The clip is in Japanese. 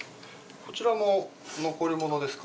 こちらも残り物ですか？